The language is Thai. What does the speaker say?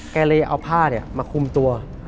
เลยเอาผ้ามาคุมตัว